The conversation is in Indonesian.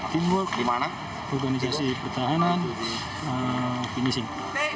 teamwork organisasi pertahanan finishing